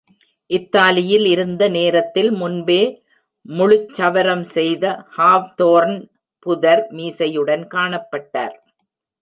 இத்தாலியில் இருந்த நேரத்தில் முன்பே முழுச் சவரம் செய்த ஹாவ்தோர்ன் புதர் மீசையுடன் காணப்பட்டார்.